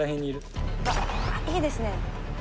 いいですね